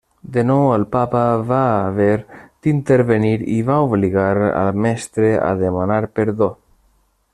De nou el papa va haver d'intervenir i va obligar al Mestre a demanar perdó.